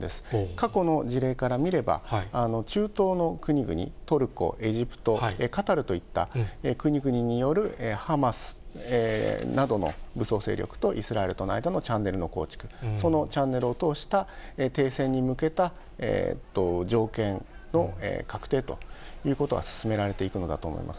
過去の事例から見れば、中東の国々、トルコ、エジプト、カタールといった国々によるハマスなどの武装勢力とイスラエルとの間のチャンネルの構築、そのチャンネルを通した、停戦に向けた条件の確定ということが進められていくのだと思います。